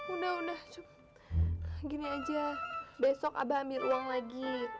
udah udah cukup gini aja besok abah ambil uang lagi